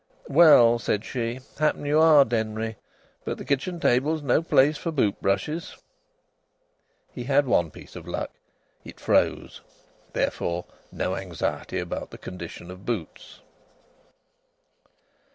"Well," said she, "happen ye are, Denry. But th' kitchen table's no place for boot brushes." He had one piece of luck. It froze. Therefore no anxiety about the condition of boots.